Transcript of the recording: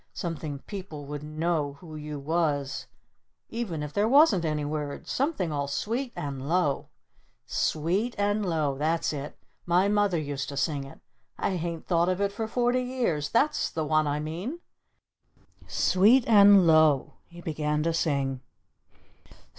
Something people would know who you was even if there wasn't any words! Something all sweet and low 'Sweet and Low,' that's it! My Mother used to sing it! I hain't thought of it for forty years! That's the one I mean!" "Sweet and Low" he began to sing.